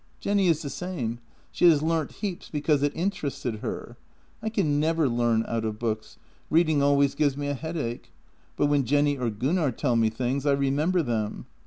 " Jenny is the same. She has learnt heaps because it inter ested her. I can never learn out of books; reading always give me a headache. But when Jenny or Gunnar tell me things, I remember them.